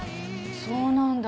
そうなんだ。